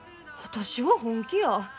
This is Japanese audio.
私は本気や。